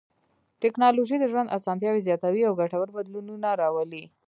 ټکنالوژي د ژوند اسانتیاوې زیاتوي او ګټور بدلونونه راولي.